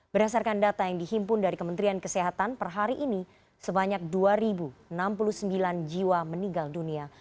berdasarkan data yang dihimpun dari kementerian kesehatan per hari ini sebanyak dua enam puluh sembilan jiwa meninggal dunia